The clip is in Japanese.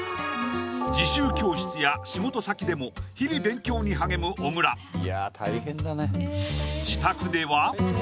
自習教室や仕事先でも日々勉強に励む小倉いや大変だね